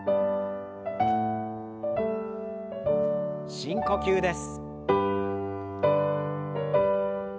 深呼吸です。